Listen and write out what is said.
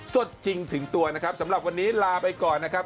สดจริงถึงตัวนะครับสำหรับวันนี้ลาไปก่อนนะครับ